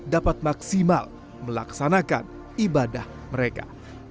dapat maksimal melaksanakan ibadah mereka